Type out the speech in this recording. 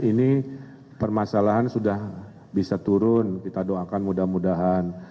ini permasalahan sudah bisa turun kita doakan mudah mudahan